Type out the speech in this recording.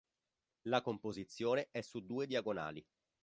La composizione è su due diagonali.